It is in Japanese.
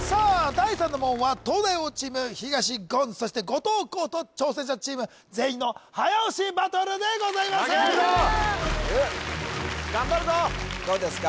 第三の門は東大王チーム東言そして後藤弘と挑戦者チーム全員の早押しバトルでございます頑張るぞどうですか？